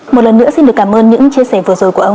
một lần nữa xin được cảm ơn những chia sẻ vừa rồi của ông